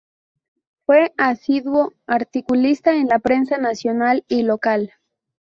Fue asiduo articulista en la prensa nacional y local.